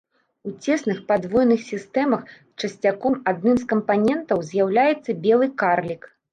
У цесных падвойных сістэмах часцяком адным з кампанентаў з'яўляецца белы карлік.